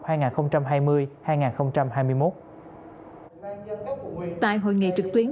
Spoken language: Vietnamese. tại hội nghị trực tuyến